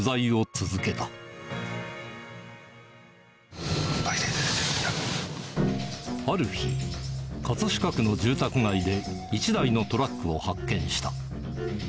あ、いた、いた、ある日、葛飾区の住宅街で、一台のトラックを発見した。